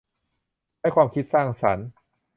ใช้ความคิดสร้างสรรค์